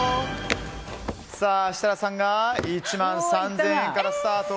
設楽さんが１万３０００円からスタート。